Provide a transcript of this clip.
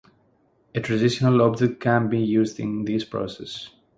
A transitional object can be used in this process.